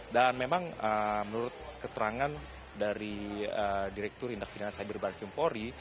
dan memang menurut keterangan dari direktur indah pidana sajibir baris jempori